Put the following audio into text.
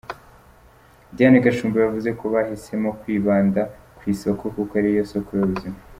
Diane Gashumba yavuze ko bahisemo kwibanda ku isuku kuko ari yo soko y’ubuzima.